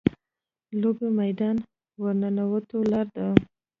لوبې میدان ورننوتو لاره ده.